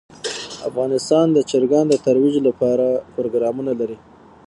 افغانستان د چرګان د ترویج لپاره پروګرامونه لري.